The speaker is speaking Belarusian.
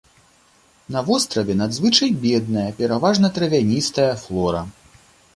На востраве надзвычай бедная, пераважна травяністая флора.